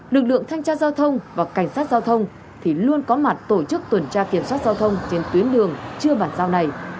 lực lượng thanh tra giao thông và cảnh sát giao thông thì luôn có mặt tổ chức tuần tra kiểm soát giao thông trên tuyến đường chưa bản giao này